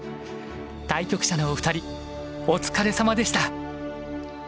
対局者のお二人お疲れさまでした！